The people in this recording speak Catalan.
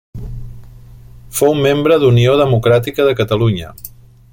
Fou membre d'Unió Democràtica de Catalunya.